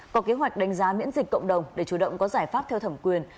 có kế hoạch đánh giá miễn dịch cộng đồng để chủ động có giải pháp theo thẩm quyền